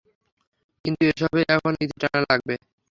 কিন্তু এসবে এখন ইতি টানা লাগবে।